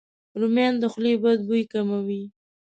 رومیان د خولې بد بوی کموي.